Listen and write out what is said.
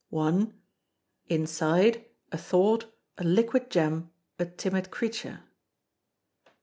i. Inside, a thought, a liquid gem, a timid creature.